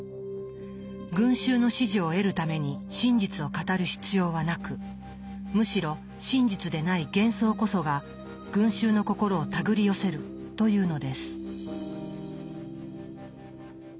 群衆の支持を得るために真実を語る必要はなくむしろ真実でない幻想こそが群衆の心をたぐり寄せるというのです。